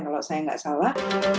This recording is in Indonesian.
jadi tidak salah